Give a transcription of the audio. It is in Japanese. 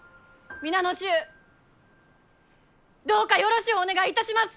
今後ともどうぞよろしゅうお願いいたします！